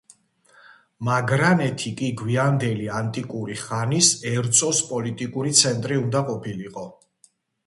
მაგრანეთი კი გვიანდელი ანტიკური ხანის ერწოს პოლიტიკური ცენტრი უნდა ყოფილიყო.